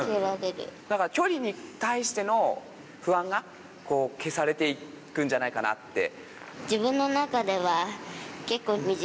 だから距離に対しての不安が消されて行くんじゃないかなって。